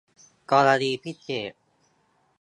กรณีพิเศษ